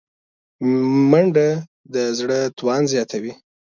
منډه د زړه توان زیاتوي